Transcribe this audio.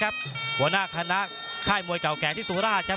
ผู้นาคณะค่ายมวยเก่าแก่ที่สูราช